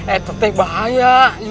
eh teteh bahaya